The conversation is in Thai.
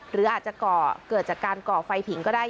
หรืออาจจะก่อเกิดจากการก่อไฟผิงก็ได้